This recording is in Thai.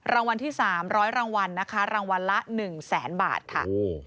รางวัลที่๓๐๐รางวัลนะคะรางวัลละ๑แสนบาทค่ะ